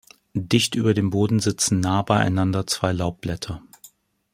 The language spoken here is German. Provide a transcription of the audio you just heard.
Dicht über dem Boden sitzen nah beieinander zwei Laubblätter.